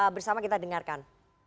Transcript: bersama kita dengarkan